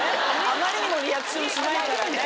あまりにもリアクションしないからね。